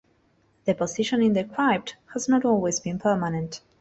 Deposition in the crypt has not always been permanent.